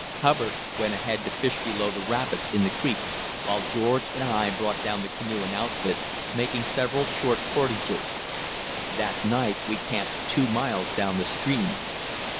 Hubbard went ahead to fish below the rapids in the creek while George and I brought down the canoe and outfit, making several short portages. That night we camped two miles down the stream.